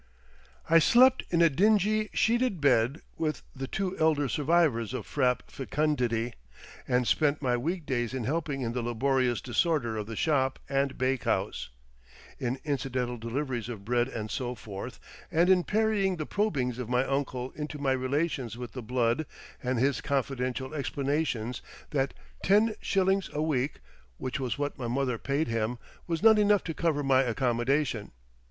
I slept in a dingy sheeted bed with the two elder survivors of Frapp fecundity, and spent my week days in helping in the laborious disorder of the shop and bakehouse, in incidental deliveries of bread and so forth, and in parrying the probings of my uncle into my relations with the Blood, and his confidential explanations that ten shillings a week—which was what my mother paid him—was not enough to cover my accommodation.